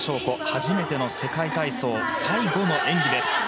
初めての世界体操最後の演技です。